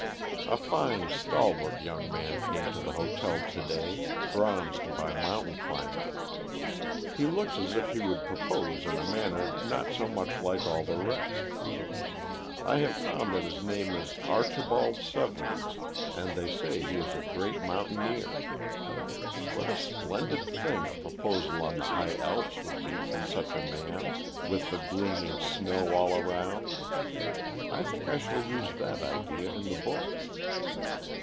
"A fine, stalwart young man came to the hotel to day, bronzed by mountain climbing. He looks as if he would propose in a manner not so much like all the rest. I have found that his name is Archibald Severance, and they say he is a great mountaineer. What a splendid thing a proposal on the high Alps would be from such a man, with the gleaming snow all around! I think I shall use that idea in the book.